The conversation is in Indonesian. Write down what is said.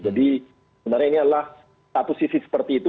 jadi sebenarnya ini adalah satu sisi seperti itu